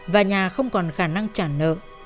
và nhà không còn khả năng trả nợ